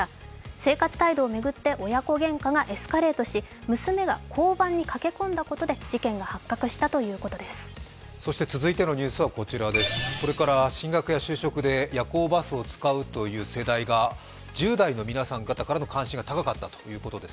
生活態度を巡って親子げんかがエスカレートし娘が交番に駆け込んだことで事件が発覚したということです。